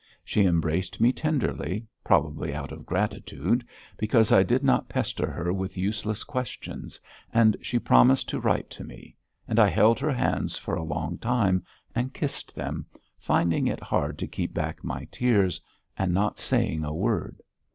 She embraced me tenderly, probably out of gratitude, because I did not pester her with useless questions, and she promised to write to me, and I held her hands for a long time and kissed them, finding it hard to keep back my tears, and not saying a word.